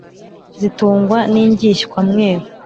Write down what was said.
zitungwa n'injyishywa mweru